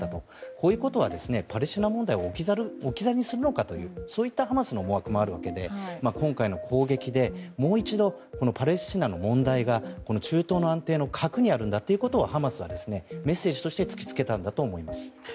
こういうことはパレスチナ問題を置き去りにするのかというハマスの思惑もあるわけで今回の攻撃でもう一度、パレスチナの問題が中東の安定の核にあるんだということをハマスはメッセージとして突きつけたんだと思います。